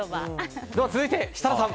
では続いて、設楽さん。